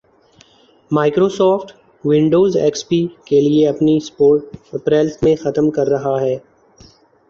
Microsoft, Windows X P کے لئے اپنی سپورٹ اپریل میں ختم کررہا ہے